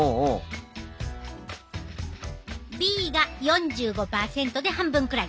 Ｂが４５％で半分くらい。